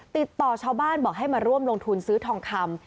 ติดต่อชาวบ้านบอกให้มาร่วมลงทุนซื้อทองคำ